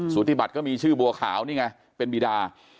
สุธิบัตรก็มีชื่อบัวขาวนี่ไงเป็นบีดา